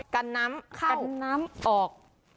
กันน้ำเข้าออก